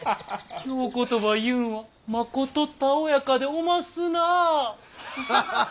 京言葉いうんはまことたおやかでおますなぁ。